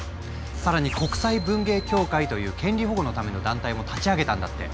更に国際文芸協会という権利保護のための団体も立ち上げたんだって。